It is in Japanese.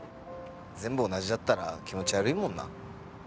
全部同じだったら気持ち悪いもんな。